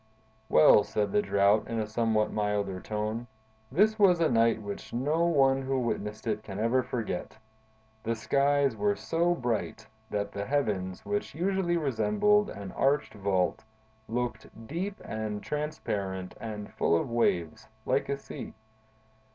"Well," said the Drought, in a somewhat milder tone, "this was a night which no one who witnessed it can ever forget! The skies were so bright that the heavens, which usually resemble an arched vault, looked deep and transparent and full of waves, like a sea.